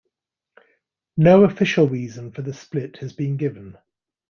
No official reason for the split has been given.